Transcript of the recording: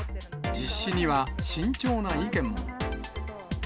実施には慎重な意見も。